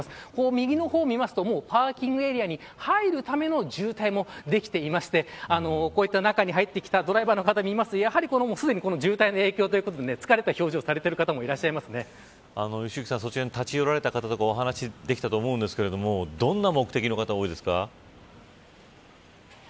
右を見るとパーキングエリアに入るための渋滞もできていまして、こういった中に入ってきたドライバーの方に聞きますとすでに渋滞の影響ということで疲れた表情の方もそちらに立ち寄られた方にお話を聞いたと思いますがどんな目的の方が多いですか。